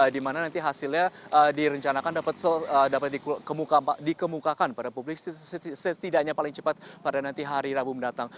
di mana nanti hasilnya direncanakan dapat dikemukakan pada publik setidaknya paling cepat pada nanti hari rabu mendatang